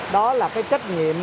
đó là cái trách nhiệm